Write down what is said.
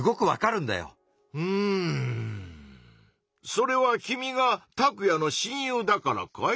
それは君がタクヤの「親友」だからかい？